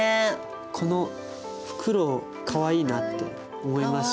このフクロウかわいいなって思いますし。